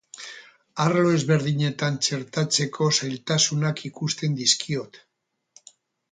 Arlo ezberdinetan txertatzeko zailtasunak ikusten dizkiot.